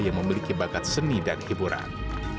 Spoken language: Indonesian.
yang memiliki bakat seni dan hiburan